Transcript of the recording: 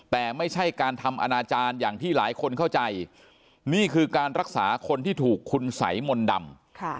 แต่ไม่ใช่การทำอนาจารย์อย่างที่หลายคนเข้าใจนี่คือการรักษาคนที่ถูกคุณสัยมนต์ดำ